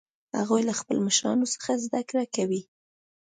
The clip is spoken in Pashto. هغوی له خپلو مشرانو څخه زده کړه کوي